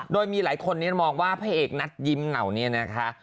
โดยมีหลายคนมองว่าพระเอกนัดยิ้มเหนาเนี่ยนะคะ